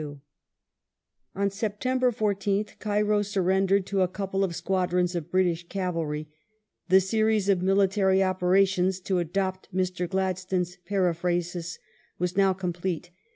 On September 14th, Cairo suiTendered to a couple of squadrons of British cavalry. The "series of military operations," to adopt Mr. Gladstone's periphrasis, was now complete.